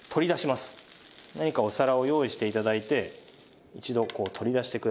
何かお皿を用意して頂いて一度こう取り出してください。